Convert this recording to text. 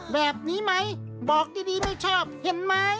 แบบนี้ไหมบอกดีไม่ชอบเห็นไหม